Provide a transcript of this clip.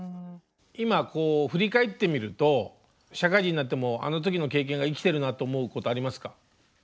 今こう振り返ってみると社会人になってもあの時の経験が生きてるなって思うことありますか？